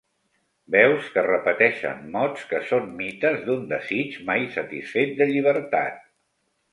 Veus que repeteixen mots que són mites d'un desig mai satisfet de llibertat.